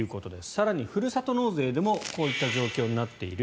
更にふるさと納税でもこういった状況になっている。